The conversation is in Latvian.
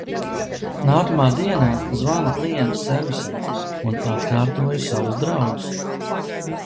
Nākamā dienā zvanu klientu servisam un atkārtoju savus draudus.